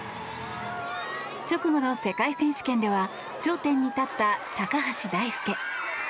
直後の世界選手権では頂点に立った高橋大輔。